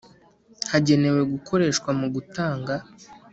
Hagenewe gukoreshwa mu gutanga